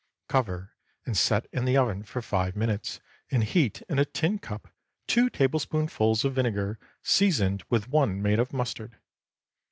Cover and set in the oven for five minutes, and heat in a tin cup two tablespoonfuls of vinegar seasoned with one of made mustard.